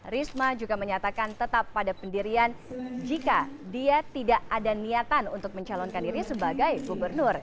risma juga menyatakan tetap pada pendirian jika dia tidak ada niatan untuk mencalonkan diri sebagai gubernur